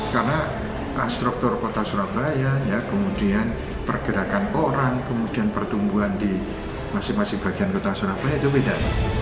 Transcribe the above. karena struktur kota surabaya ya kemudian pergerakan orang kemudian pertumbuhan di masing masing bagian kota surabaya itu beda